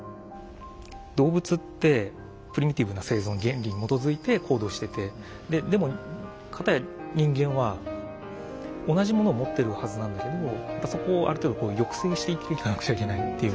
動物ってプリミティブな生存原理に基づいて行動しててででも片や人間は同じものを持ってるはずなんだけどやっぱそこをある程度抑制して生きていかなくちゃいけないっていう。